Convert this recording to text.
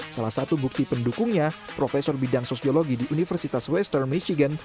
salah satu bukti pendukungnya profesor bidang sosiologi di universitas western michigan